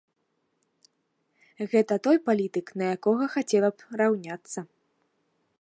Гэта той палітык, на якога хацелася б раўняцца.